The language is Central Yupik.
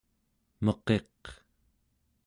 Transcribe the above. meqiq